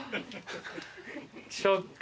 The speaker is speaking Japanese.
ショック。